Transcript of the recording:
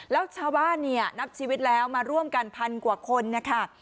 แล้วชาวบ้านเนี่ยนับชีวิตแล้วมาร่วมกันพันกว่าคนนะคะ